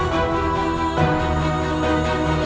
dari sang dewan